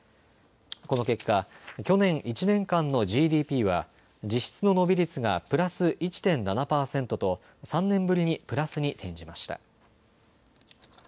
この結果、去年１年間のＧＤＰは実質の伸び率がプラス１．７％と３年ぶりにプラスに転じました。